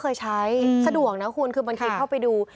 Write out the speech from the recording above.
เคยใช้สะดวกนะคุณคือมันคลิกเข้าไปดู